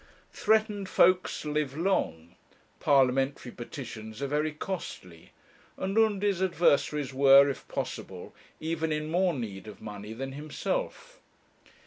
Threatened folks live long; parliamentary petitions are very costly, and Undy's adversaries were, if possible, even in more need of money than himself.